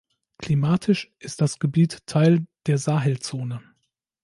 Klimatisch ist das Gebiet Teil der Sahelzone.